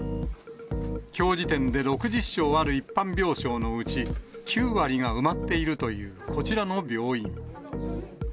きょう時点で、６０床ある一般病床のうち、９割が埋まっているというこちらの病院。